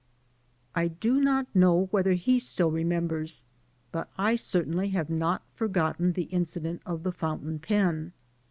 I do not know whether he still remembers, but I certainly have not forgotten the incident of the fountain pen.